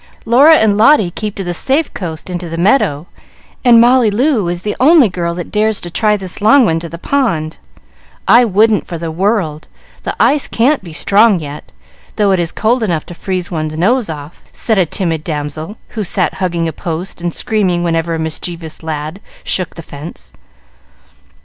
"Laura and Lotty keep to the safe coast into the meadow, and Molly Loo is the only girl that dares to try this long one to the pond. I wouldn't for the world; the ice can't be strong yet, though it is cold enough to freeze one's nose off," said a timid damsel, who sat hugging a post and screaming whenever a mischievous lad shook the fence.